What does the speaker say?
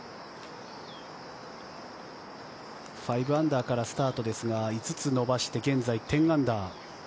５アンダーからスタートですが５つ伸ばして現在、１０アンダー。